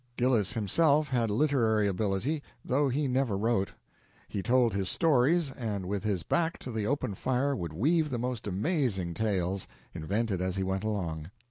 Gillis himself had literary ability, though he never wrote. He told his stories, and with his back to the open fire would weave the most amazing tales, invented as he went along.